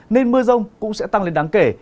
nên mưa rông cũng sẽ tăng lên đáng kể